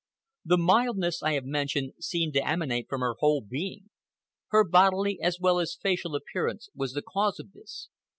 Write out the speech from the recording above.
The mildness I have mentioned seemed to emanate from her whole being. Her bodily as well as facial appearance was the cause of this.